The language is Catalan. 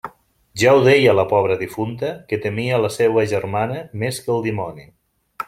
Ja ho deia la pobra difunta, que temia la seua germana més que el dimoni.